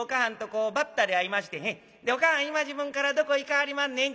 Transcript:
こうばったり会いましてねで『お母はん今時分からどこ行かはりまんねん？』